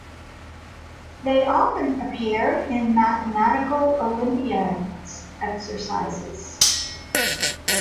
They often appear in mathematical olympiads exercises.